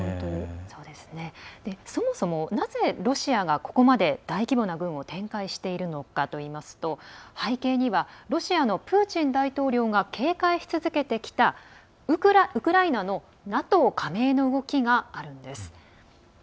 そもそも、なぜロシアがここまで大規模な軍を展開してるのかといいますと背景にはロシアのプーチン大統領が警戒し続けてきたウクライナのＮＡＴＯ加盟の動きがあるんです。